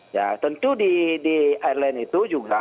ya tentu di airline itu juga